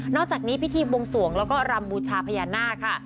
นอกจากนี้พิธีวงศวงภรรณ์และก็รำบูชาภญานาคค่ะ